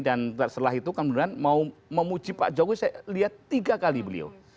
dan setelah itu kemudian mau memuji pak jokowi saya lihat tiga kali beliau